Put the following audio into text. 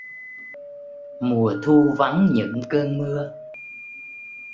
Mùa thu vắng những cơn mưa